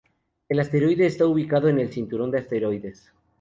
El asteroide está ubicado en el Cinturón de Asteroides.